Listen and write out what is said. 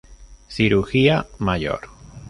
Cirugía mayor.